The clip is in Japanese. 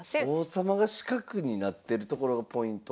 王様が四角になってるところがポイント？